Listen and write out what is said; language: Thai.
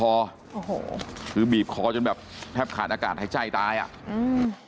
โอ้โหคือบีบคอจนแบบแทบขาดอากาศหายใจตายอ่ะอืม